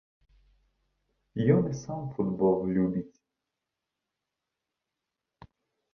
Ён і сам футбол любіць.